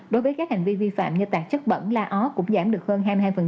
đối với các hành vi vi phạm như tạc chất bẩn la ó cũng giảm được hơn hai mươi hai